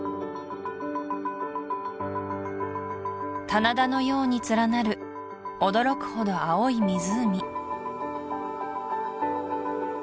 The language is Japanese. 棚田のように連なる驚くほど青い湖